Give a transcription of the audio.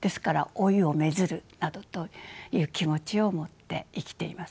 「老いを愛づる」などという気持ちを持って生きています。